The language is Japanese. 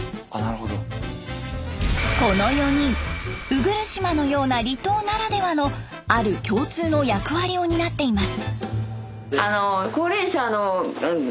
この４人鵜来島のような離島ならではのある共通の役割を担っています。